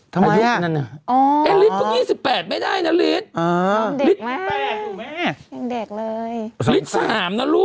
ทำไมล่ะกินนั่นเนาะเอลิสร์เพิ่ง๒๘ไม่ได้นะจำเป็นเด็กไหม